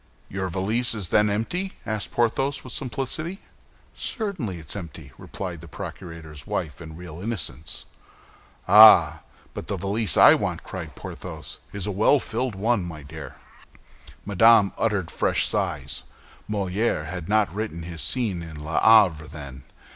"Your valise is then empty?" asked Porthos, with simplicity. "Certainly it is empty," replied the procurator's wife, in real innocence. "Ah, but the valise I want," cried Porthos, "is a well filled one, my dear." Madame uttered fresh sighs. Molière had not written his scene in "L'Avare" then.